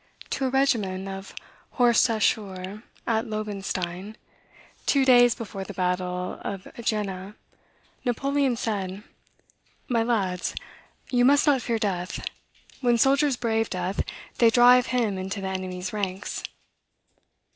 To a regiment of horse chasseurs at Lobenstein, two days before the battle of Jena, Napoleon said, "My lads, you must not fear death; when soldiers brave death, they drive him into the enemy's ranks."